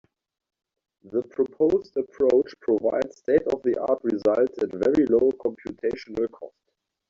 The proposed approach provides state-of-the-art results at very low computational cost.